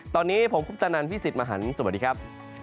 ตอนนี้ผมคุปตะนันพี่สิทธิ์มหันฯสวัสดีครับ